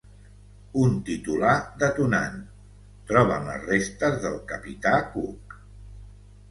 Un titular detonant: «Troben les restes del capità Cook».